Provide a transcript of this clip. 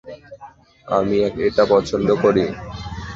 আমি এটা পছন্দ করি।